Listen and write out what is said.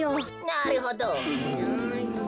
なるほど。